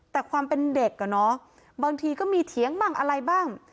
แต่ความเป็นเด็กบางทีก็มีเถียงบังอะไรบ้าง